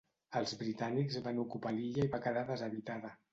Els britànics van ocupar l'illa i va quedar deshabitada.